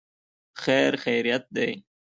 خیر خیریت دی.